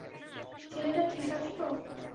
ছেলেটা ঠিক আছে তো?